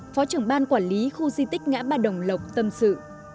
phó trưởng ban quản lý khu di tích ngã ba đồng lộc tâm sự